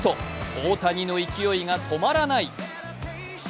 大谷の勢いが止まらない。